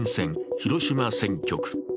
広島選挙区。